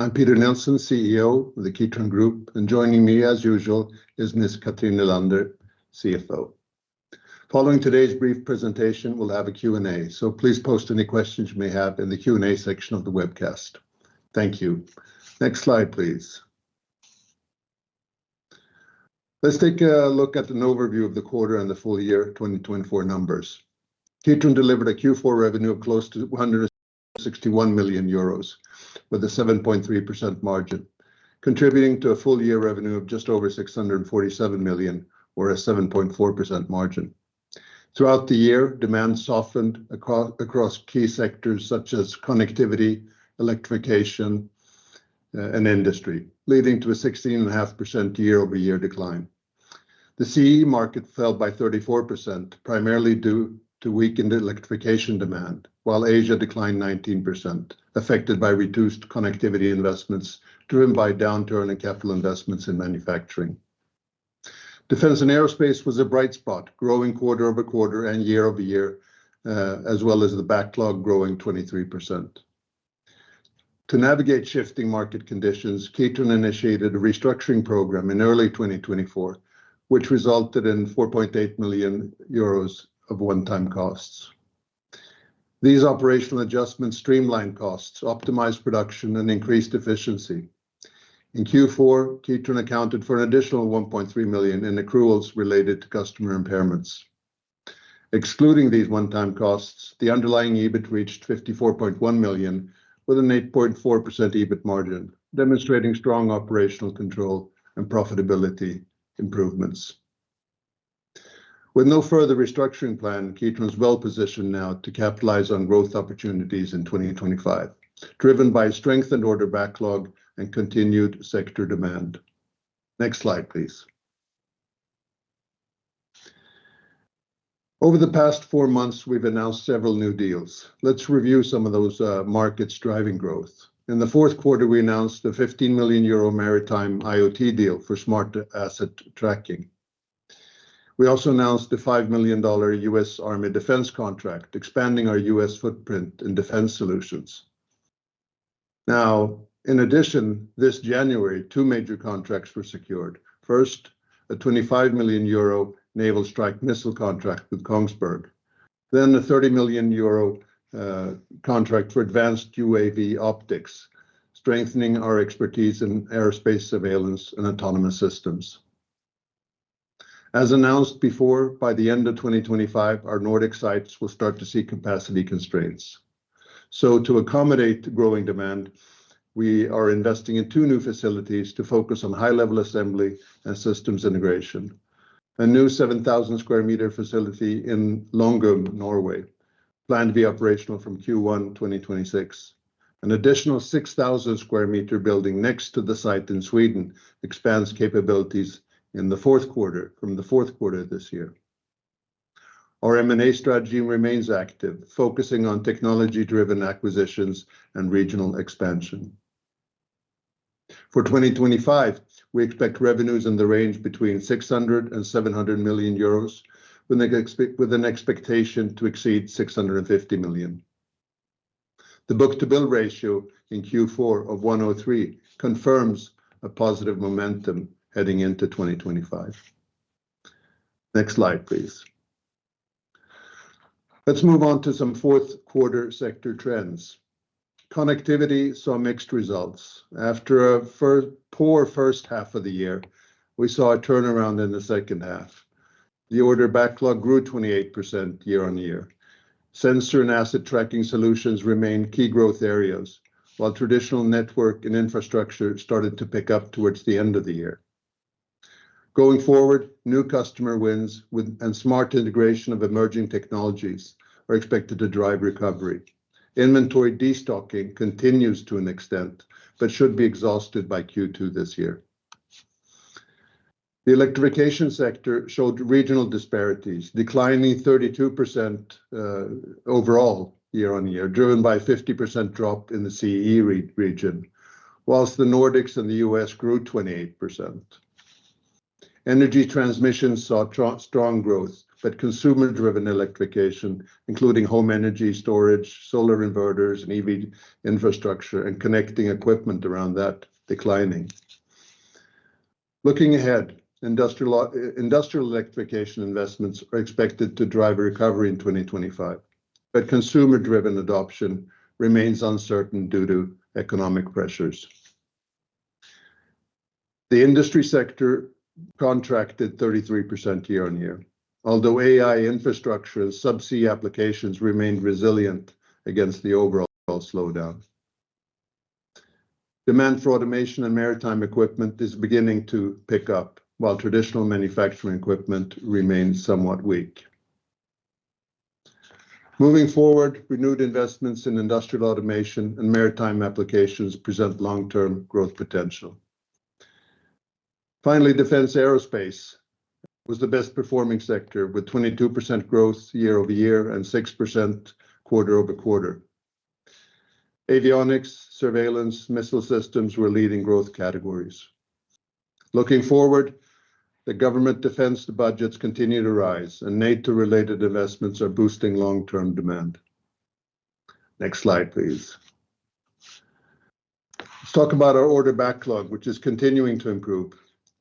I'm Peter Nilsson, CEO of Kitron ASA, and joining me as usual is Ms. Cathrin Nylander, CFO. Following today's brief presentation, we'll have a Q&A, so please post any questions you may have in the Q&A section of the webcast. Thank you. Next slide please. Let's take a look at an overview of the quarter and the full-year 2024 numbers. Kitron delivered a Q4 revenue of close to 161 million euros with a 7.3% margin, contributing to a full-year revenue of just over 647 million, or a 7.4% margin. Throughout the year, demand softened across key sectors such as Connectivity, Electrification and Industry, leading to a 16.5% year-over-year decline. The CEE market fell by 34% primarily due to weakened electrification demand, while Asia declined 19% affected by reduced Connectivity investments driven by downturn in capital investments. Investments in Manufacturing, Defense and Aerospace was a bright spot, growing quarter-over-quarter and year-over-year, as well as the backlog growing 23%. To navigate shifting market conditions, Kitron initiated a restructuring program in early 2024 which resulted in 4.8 million euros of one-time costs. These operational adjustments streamlined costs, optimized production and increased efficiency. In Q4, Kitron accounted for an additional 1.3 million in accruals related to customer impairments. Excluding these one-time costs, the underlying EBIT reached 54.1 million with an 8.4% EBIT margin, demonstrating strong operational control and profitability improvements. With no further restructuring plan, Kitron is well-positioned now to capitalize on growth opportunities in 2025, driven by strengthened order backlog and continued sector demand. Next slide please. Over the past four months we've announced several new deals. Let's review some of those markets driving growth. In the fourth quarter, we announced the 15 million euro maritime IoT deal for smart asset tracking. We also announced the $5 million U.S. Army Defense contract, expanding our U.S. footprint in Defense solutions. Now, in addition, this January two major contracts were secured. First, a 25 million euro Naval Strike Missile contract with Kongsberg, then a 30 million euro contract for advanced UAV optics, strengthening our expertise in Aerospace, Surveillance and Autonomous Systems. As announced before, by the end of 2025 our Nordic sites will start to see capacity constraints. So to accommodate growing demand, we are investing in two new facilities to focus on high-level assembly and systems integration. A new 7,000-square-meter facility in Longum, Norway, plan to be operational from Q1 2026. An additional 6,000-square-meter building next to the site in Sweden expands capabilities in the fourth quarter. From the fourth quarter this year, our M&A strategy remains active focusing on technology-driven acquisitions and regional expansion. For 2025 we expect revenues in the range between 600 million euros and 700 million euros with an expectation to exceed 650 million. The book-to-bill ratio in Q4 of 103 confirms a positive momentum heading into 2025. Next slide please. Let's move on to some fourth quarter sector trends. Connectivity saw mixed results after a poor first half of the year. We saw a turnaround in the second half. The order backlog grew 28% year-on-year. Sensor and asset tracking solutions remain key growth areas while traditional network and infrastructure started to pick up towards the end of the year. Going forward, new customer wins and smart integration of emerging technologies are expected to drive recovery. Inventory destocking continues to an extent but should be exhausted by Q2 this year. The Electrification sector showed regional disparities declining 32% overall year-on-year driven by 50% drop in the CEE region while the Nordics and the US grew 28%. Energy transmission saw strong growth but consumer-driven electrification including home energy storage, solar inverters and EV infrastructure and connecting equipment around that declining. Looking ahead, Industrial electrification investments are expected to drive a recovery in 2025, but consumer-driven adoption remains uncertain due to economic pressures. The Industry sector contracted 33% year-on-year although AI infrastructure and subsea applications remained resilient against the overall slowdown. Demand for automation and maritime equipment is beginning to pick up while traditional manufacturing equipment remains somewhat weak. Moving forward, renewed investments in industrial automation and maritime applications present long-term growth potential. Finally, Defense & Aerospace was the best performing sector with 22% growth year-over-year and 6% quarter-over-quarter. Avionics, Surveillance, Missile Systems were leading growth categories. Looking forward, the government Defense budgets continue to rise and NATO-related investments are boosting long-term demand. Next slide please. Let's talk about our order backlog which is continuing to improve.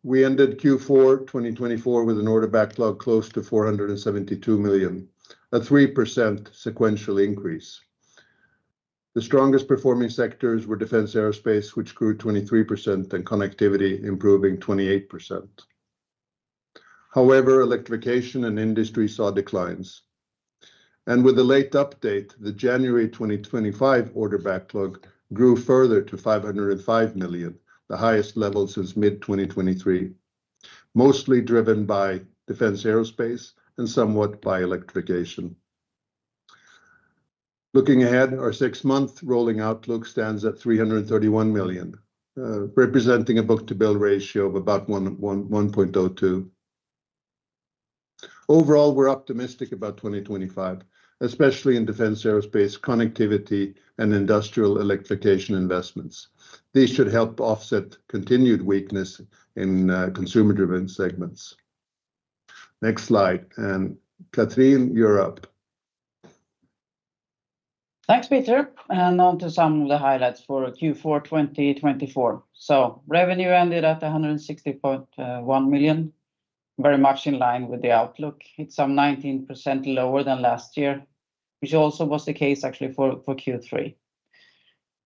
We ended Q4 2024 with an order backlog close to 472 million, a 3% sequential increase. The strongest performing sectors were Defense & Aerospace which grew 23% and Connectivity improving 28%. However, Electrification and Industry saw declines, and with the late update, the January 2025 order backlog grew further to 505 million, the highest level since mid-2023, mostly driven by Defense & Aerospace and somewhat by Electrification. Looking ahead, our six-month rolling outlook stands at 331 million, representing a book-to-bill ratio of about 1.02. Overall we're optimistic about 2025, especially in Defense, Aerospace, Connectivity and Industrial electrification investments. These should help offset continued weakness in consumer-driven segments. Next slide and Cathrin, you're up. Thanks Peter and on to some of the highlights for Q4 2024. So revenue ended at 160.1 million, very much in line with the outlook. It's some 19% lower than last year, which also was the case actually for Q3.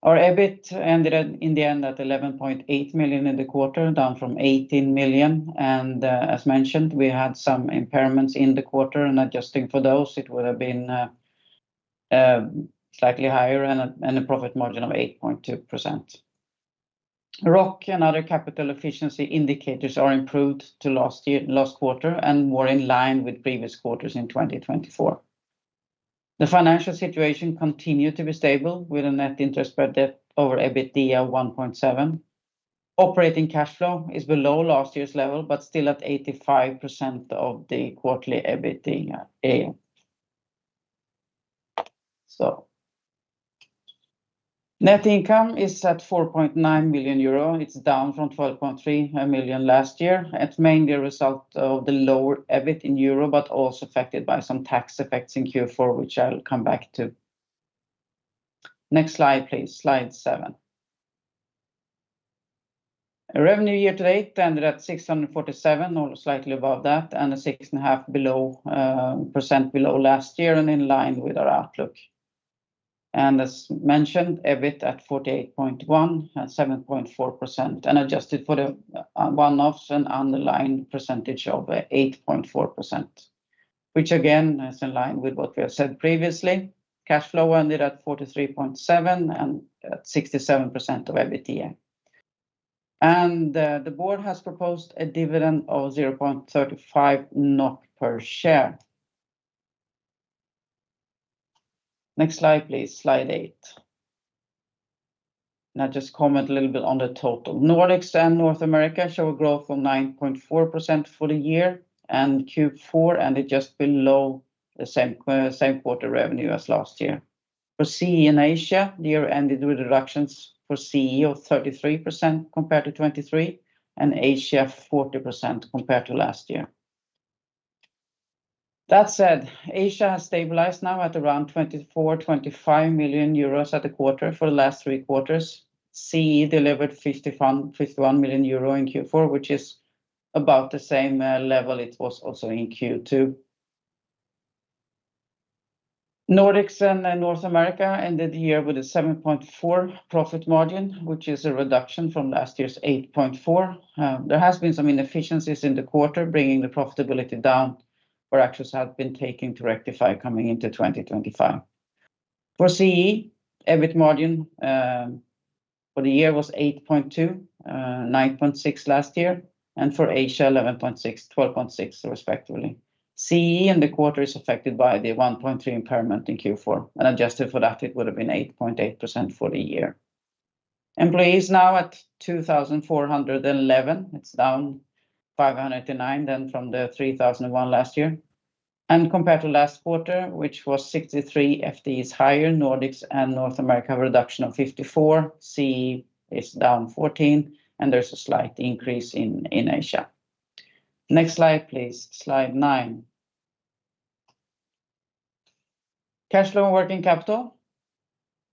Our EBIT ended in the end at 11.8 million in the quarter, down from 18 million and as mentioned we had some impairments in the quarter and adjusting for those it would have been. Slightly higher and a profit margin of 8.2%. ROCE and other capital efficiency indicators are improved to last quarter and were in line with previous quarters. In 2024 the financial situation continued to be stable with a net interest-bearing debt over EBITDA 1.7. Operating cash flow is below last year's level but still at 85% of the quarterly EBITDA. So, net income is at 4.9 million euro. It's down from 12.3 million last year. It's mainly a result of the lower EBIT in EUR but also affected by some tax effects in Q4 which I'll come back to. Next slide please. Slide 7 revenue year-to-date ended at 647 or slightly above that and 6.5% below last year and in line with our outlook. As mentioned, EBIT at 48.1 and 7.4% and adjusted for the one-offs and underlying percentage of 8.4% which again is in line with what we have said previously. Cash flow ended at 43.7 and 67% of EBITDA and the Board has proposed a dividend of 0.35 NOK per share. Next slide please. Slide 8. Now just comment a little bit on the total. Nordics and North America show a growth of 9.4% for the year and Q4 ended just below the same quarter revenue as last year. For CEE, in Asia the year ended with reductions for CEE of 33% compared to 2023 and Asia 40% compared to last year. That said, Asia has stabilized now at around 24-25 million euros for the quarter. For the last three quarters CEE delivered 51 million euro in Q4 which is about the same level it was also in Q2. Nordics and North America ended the year with a 7.4% profit margin, which is a reduction from last year's 8.4%. There have been some inefficiencies in the quarter bringing the profitability down, where actions have been taken to rectify coming into 2025. For CEE, EBIT margin for the year was 8.2% 9.6% last year, and for Asia 11.6% 12.6% respectively. CEE in the quarter is affected by the 1.3 impairment in Q4, and adjusted for that it would have been 8.8% for the year. Employees now at 2,411. It's down 509 than from the 3,001 last year, and compared to last quarter, which was 63 FTEs higher. Nordics and North America reduction of 54, CEE is down 14, and there's a slight increase in Asia. Next slide please, slide 9. Cash Flow and Working Capital.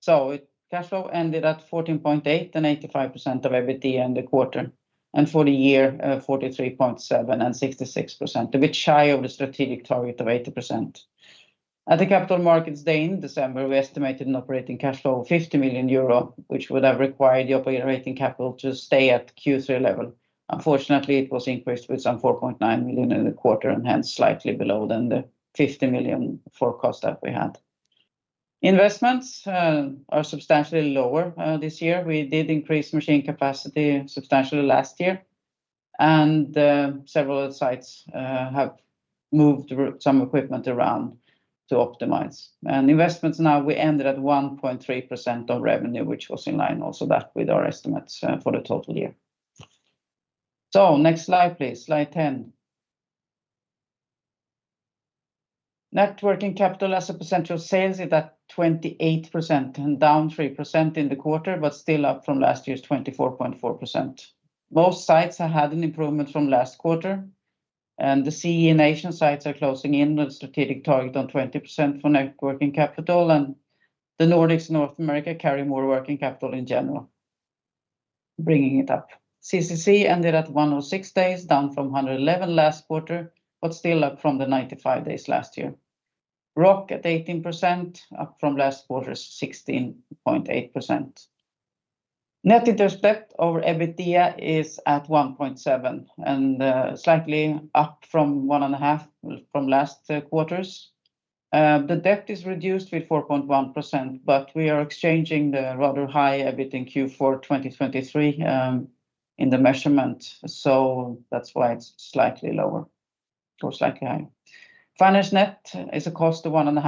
So cash flow ended at 14.8 and 85% of EBITDA in the quarter and for the year 43.7 and 66%, a bit shy of the strategic target of 80%. At the Capital Markets Day in December we estimated an operating cash flow of 50 million euro which would have required the operating capital to stay at Q3 level. Unfortunately it was increased with some 4.9 million in the quarter and hence slightly below than the 50 million forecast that we had. Investments are substantially lower this year. We did increase machine capacity substantially last year and several sites have moved some equipment around to optimize and investments. Now we ended at 1.3% of revenue which was in line also that with our estimates the total-year. So next slide please. Slide 10. Net working capital as a % of sales is at 28% and down 3% in the quarter, but still up from last year's 24.4%. Most sites have had an improvement from last quarter and the CEE nations sites are closing in a strategic target on 20% for net working capital and the Nordics North America carry more working capital in general bringing it up. CCC ended at 106 days, down from 111 last quarter, but still up from the 95 days last year. ROC at 18% up from last quarter, 16.8%. Net interest over EBITDA is at 1.7 and slightly up from 1.5 from last quarter's. The debt is reduced with 4.1% but we are exiting the rather high EBIT in Q4 2023 in the measurement, so that's why it's slightly lower or slightly higher. Finance net is a cost of 1.5 million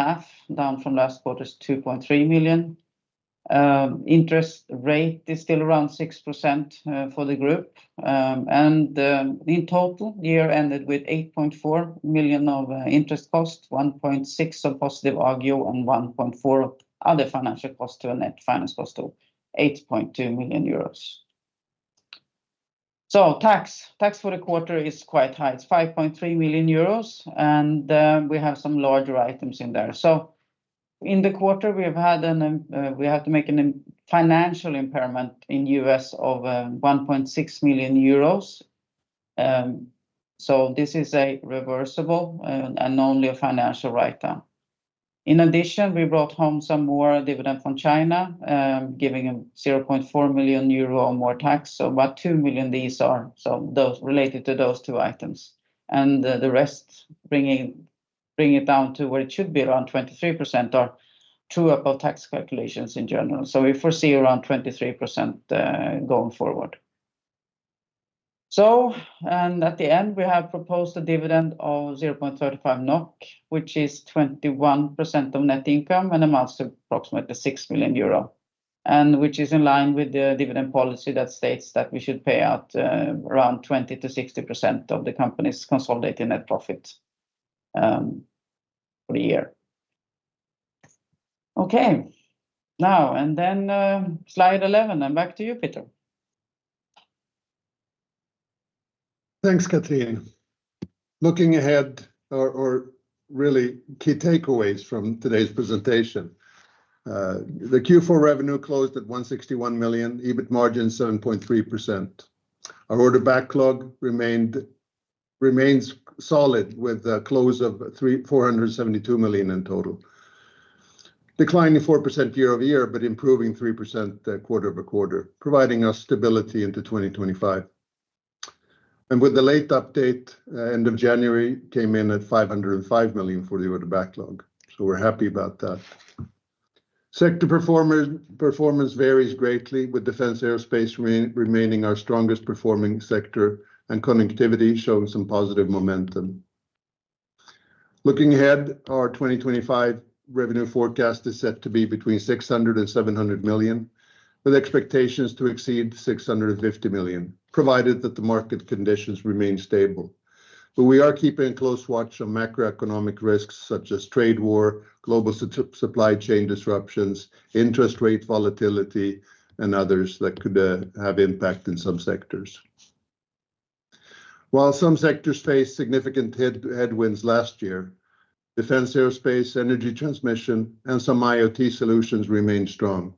down from last quarter's 2.3 million. Interest rate is still around 6% for the group, and in total-year ended with 8.4 million of interest cost, 1.6 million of positive agio, and 1.4 million other financial cost to a net finance cost of 8.2 million euros. Tax for the quarter is quite high. It's 5.3 million euros and we have some larger items in there. In the quarter, we had to make a financial impairment in the U.S. of 1.6 million euros. This is a reversible and only a financial write-down. In addition, we brought home some more dividend from China giving them 0.4 million euro or more tax. So about 2 million; these are related to those two items and the rest bringing it down to where it should be around 23% are true about tax calculations in general so we foresee around 23% going forward. At the end, we have proposed a dividend of 0.35 NOK, which is 21% of net income and amounts to approximately 6 million euro, and which is in line with the dividend policy that states that we should pay out around 20%-60% of the company's consolidated net profit. For the year. Okay, now and then Slide 11 and back to you, Peter. Thanks, Cathrin. Looking ahead, our key takeaways from today's presentation. The Q4 revenue closed at 161 million, EBIT margin 7.3%. Our order backlog remains solid with a close of 472 million in total, declining 4% year-over-year, but improving 3% quarter-over-quarter, providing us stability into 2025, and with the latest update at the end of January came in at 505 million for the order backlog. We're happy about that. Sector performance varies greatly with Defense & Aerospace remaining our strongest performing sector and Connectivity showing some positive momentum. Looking ahead, our 2025 revenue forecast is set to be between 600 million and 700 million, with expectations to exceed 650 million provided that the market conditions remain stable. But we are keeping close watch on macroeconomic risks such as trade war, global supply-chain disruptions, interest-rate volatility and others that could have impact in some sectors. While some sectors faced significant headwinds last year, Defense, Aerospace, energy transmission and some IoT solutions remain strong.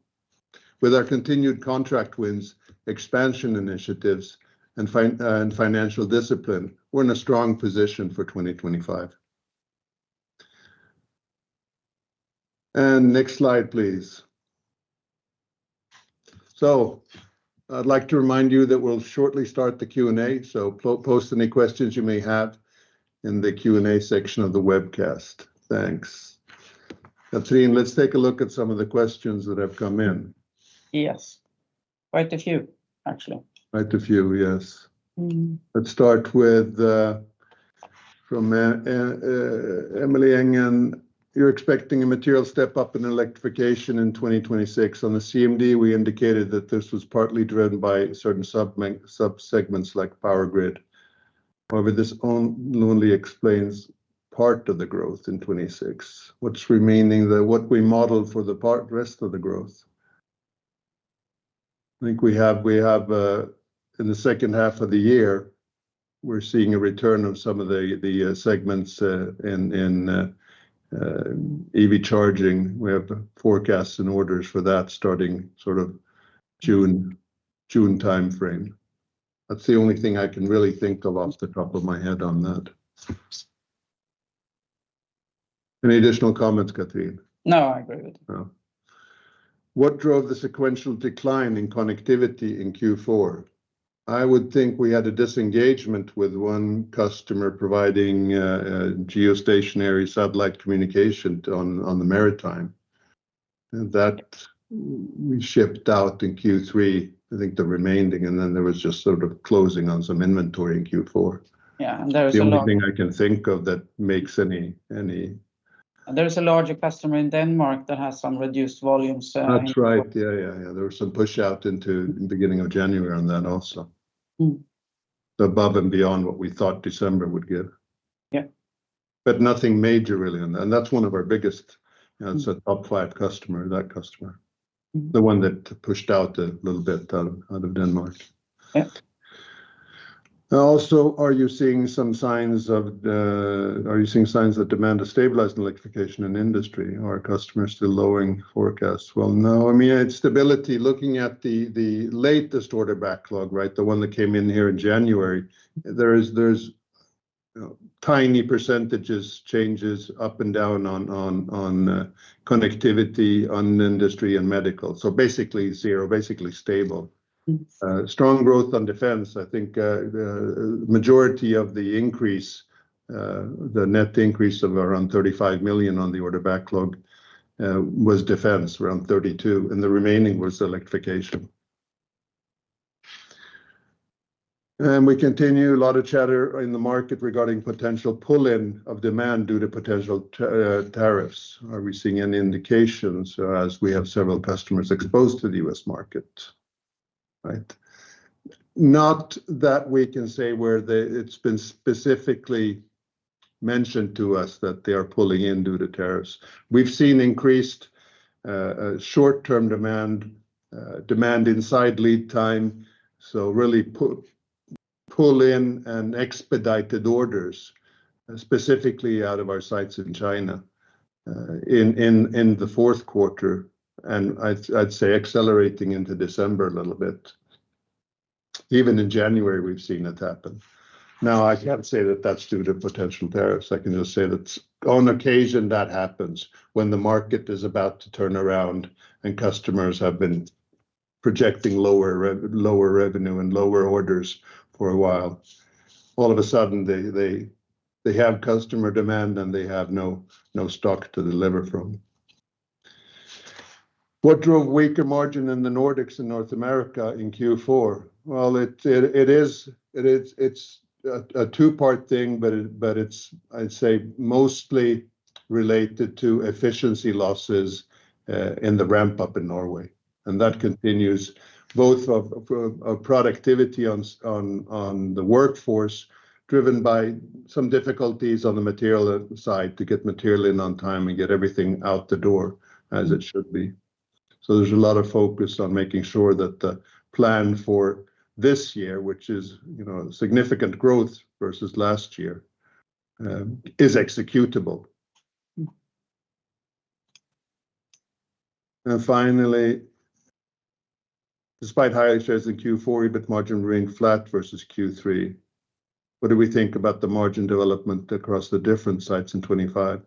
With our continued contract wins, expansion initiatives and financial discipline, we're in a strong position for 2025. Next slide please. So I'd like to remind you that we'll shortly start the Q&A, so post any questions you may have in the Q&A section of the webcast. Thanks, Cathrin. Let's take a look at some of the questions that have come in. Yes. Quite a few actually. Quite a few, yes. Let's start with from Emilie Engebretsen. You're expecting a material step-up in electrification in 2026 on the CMD. We indicated that this was partly driven by certain sub segments like power grid. However, this only explains part of the growth in 2026. What's remaining that what we model for the part rest of the growth. I think we have in the second half of the year, we're seeing a return of some of the segments in. EV charging. We have forecasts and orders for that starting sort of June. June time frame. That's the only thing I can really think of off the top of my head on that. Any additional comments, Cathrin? No, I agree with it. What drove the sequential decline in Connectivity in Q4? I would think we had a disengagement with one customer providing geostationary satellite communication on the maritime and that we shipped out in Q3. I think the remaining and then there was just sort of closing on some inventory in Q4. Yeah, and there's the only thing I. Can think of that makes any. There's a larger customer in Denmark that has some reduced volumes. That's right. Yeah. There was some push out into beginning of January on that also. Above and beyond what we thought December would get. Yeah. Nothing major really on that and that's one of our biggest. It's a top-five customer. That customer, the one that pushed out a little bit out of Denmark. Also, are you seeing some signs of, are you seeing signs that demand is stabilized? Electrification in Industry. Are customers still lowering forecasts? No, I mean it's stability. Looking at the latest order backlog, right? The one that came in here in January, there is, there's tiny % changes up and down on Connectivity, on Industry and medical. So basically zero, basically stable, strong growth on Defense. I think majority of the increase, the net increase of around 35 million on the order backlog was Defense, around 32 million, and the remaining was electrification. We continue a lot of chatter in the market regarding potential pull-in of demand due to potential tariffs. Are we seeing any indications as we have several customers exposed to the U.S. market, right? Not that we can say where it's been specifically mentioned to us that they are pulling in due to tariffs. We've seen increased short-term demand inside lead-time, so really pull-in and expedited orders specifically out of our sites in China in the fourth quarter, and I'd say accelerating into December, a little bit even in January. We've seen it happen. Now I can't say that that's due to potential tariffs. I can just say that's on occasion that happens when the market is about to turn around and customers have been projecting lower revenue and lower orders for a while. All of a sudden they have customer demand and they have no stock to deliver from. What drove weaker margin in the Nordics in North America in Q4? It's a two-part thing, but it's, I'd say, mostly related to efficiency losses in the ramp-up in Norway, and that continues, both of productivity on the workforce driven by some difficulties on the material side to get material in on time and get everything out the door as it should be. There's a lot of focus on making sure that the plan for this year, which is, you know, significant growth versus last year, is executable. And finally. Despite higher shares in Q4, EBIT margin ring flat versus Q3. What do we think about the margin development across the different sites in 25?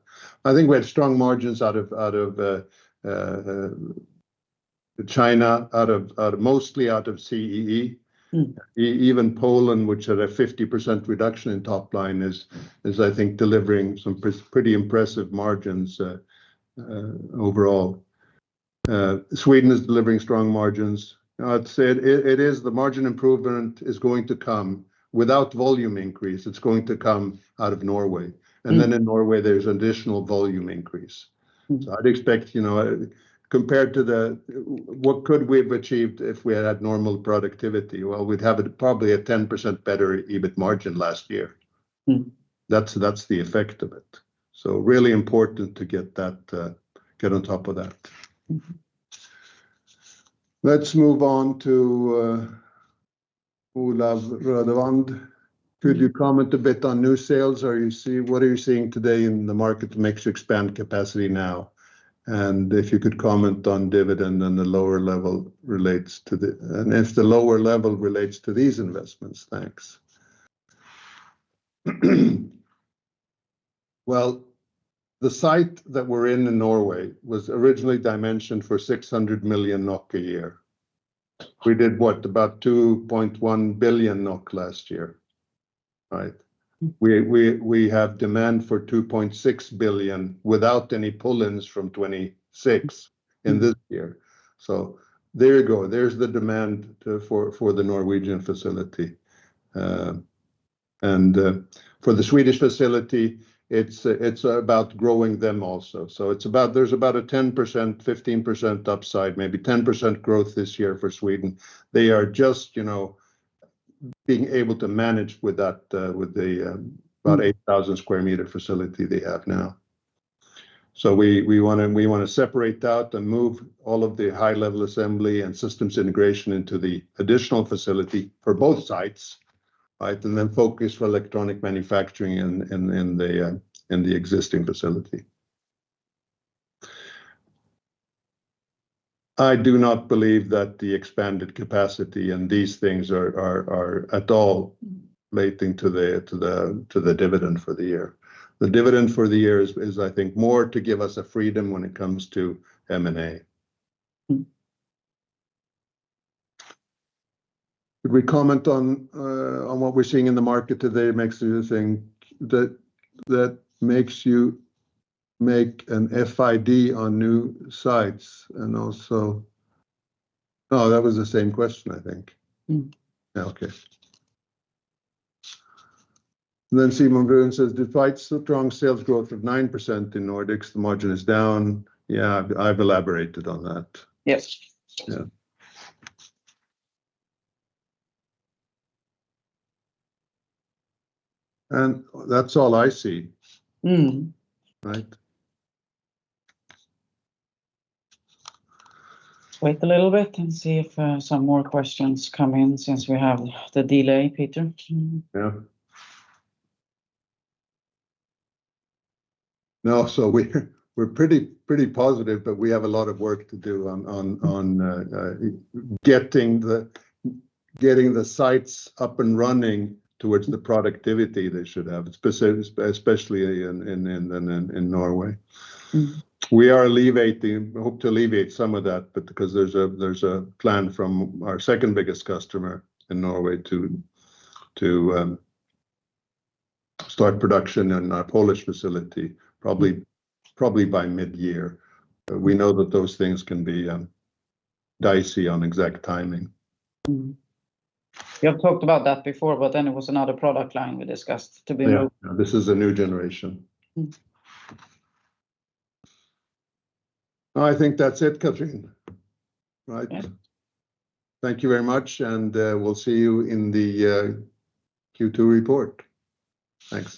I think we had strong margins out of, out of. China, out of mostly out of CEE. Even Poland, which had a 50% reduction in top-line, is, I think, delivering some pretty impressive margins overall. Sweden is delivering strong margins. I'd say it is. The margin improvement is going to come without volume increase. It's going to come out of Norway, and then in Norway there's additional volume increase. I'd expect, you know, compared to the, what could we have achieved if we had normal productivity? We'd have it probably a 10% better EBIT margin last year. That's the effect of it. Really important to get that. Get on top of that. Let's move on to. Olav Rødevand. Could you comment a bit on new sales? What are you seeing today in the market that makes you expand capacity now? If you could comment on dividend and the lower level relates to the. If the lower level relates to these investments. Thanks. The site that we're in in Norway was originally dimensioned for 600 million NOK a year. We did what about 2.1 billion NOK last year. We have demand for 2.6 billion without any pull ins from 2026 in this year. There you go. There's the demand for the Norwegian facility. For the Swedish facility, it's about growing them also. There's about a 10%-15% upside, maybe 10% growth this year for Sweden. They are just being able to manage with the about 8,000 sq m facility they have now. We want to separate out and move all of the high-level assembly and systems integration into the additional facility for both sites and then focus for electronic manufacturing in the existing facility. I do not believe that the expanded capacity and these things are at all relating to the dividend for the year. The dividend for the year is I think more to give us a freedom when it comes to M&A. Could we comment on what we're seeing in the market today, makes everything that—that makes you make an FID on new sites and also. Oh, that was the same question, I think. Okay. Simon Bruin says despite strong sales growth of 9% in Nordics, the margin is down. Yeah, I've elaborated on that. Yes. That's all I see, right? Wait a little bit and see if some more questions come in since we have the delay. Peter. Yeah. No, so we're pretty, pretty positive but we have a lot of work to do on getting the sites up and running towards the productivity they should have. Specifically, especially in Norway. We hope to alleviate some of that because there's a plan from our second-biggest customer in Norway to. Start production in our Polish facility probably by mid-year. We know that those things can be dicey on exact timing. You have talked about that before, but then it was another product line we discussed. To be real, this is a new generation. I think that's it, Cathrin, right? Thank you very much and we'll see you in the Q2 report. Thanks.